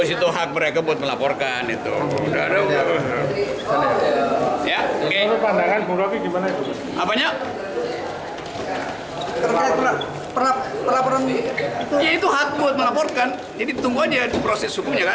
itu hak buat melaporkan jadi tunggu aja di proses hukumnya kan